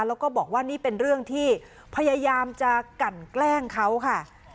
แล้วก็บอกว่านี่เป็นเรื่องที่พยายามจะกันแกล้งเขาค่ะ